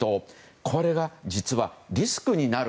これが実は、リスクになる。